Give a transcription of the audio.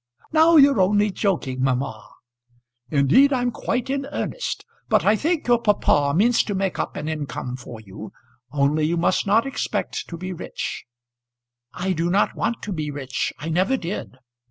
"Now you're only joking, mamma." "Indeed I'm quite in earnest. But I think your papa means to make up an income for you, only you must not expect to be rich." "I do not want to be rich. I never did."